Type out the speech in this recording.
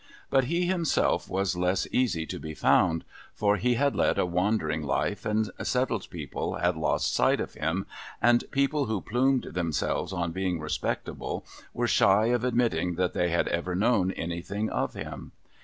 But, he himself was less easy to be found ; for, he had led a wandering life, and settled people had lost sight of him, and people who plumed themselves on being respectable were shy of admitting that they had ever known anything of him.